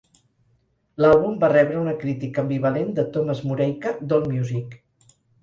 L'àlbum va rebre una crítica ambivalent de Tomas Mureika d'"Allmusic".